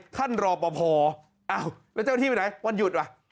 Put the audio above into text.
รอปภอ้าวแล้วเจ้าหน้าที่ไปไหนวันหยุดว่ะ